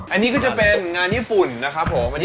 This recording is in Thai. อันนี้ก็จะเป็นงานญี่ปุ่นนะครับผม